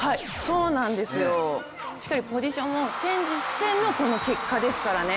そうなんですよ、ポジションをチェンジしてのこの結果ですからね。